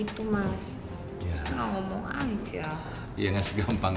dan jadi pasangan